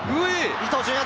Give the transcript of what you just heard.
伊東純也。